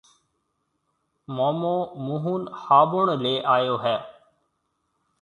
مومو موهن هابُڻ ليَ آئيو هيَ۔